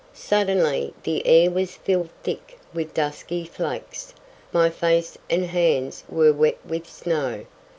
Suddenly the air was filled thick with dusky flakes, my face and hands were wet with snow.